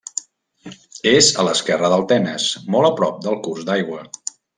És a l'esquerra del Tenes, molt a prop del curs d'aigua.